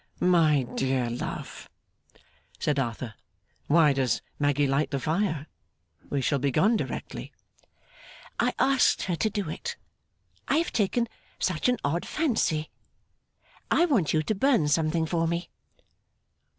'My dear love,' said Arthur. 'Why does Maggy light the fire? We shall be gone directly.' 'I asked her to do it. I have taken such an odd fancy. I want you to burn something for me.